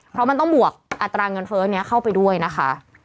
เพราะมันต้องบวกอัตราเงินเฟ้อนี้เข้าไปด้วยนะคะ